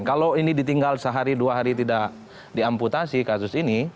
kalau ini ditinggal sehari dua hari tidak diamputasi kasus ini